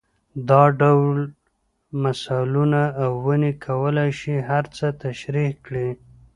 دا ډول مثالونه او ونې کولای شي هر څه تشرېح کړي.